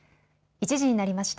１時になりました。